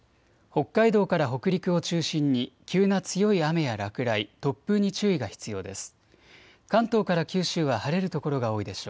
北海道から北陸を中心に急な強い雨や落雷、突風に注意が必要です。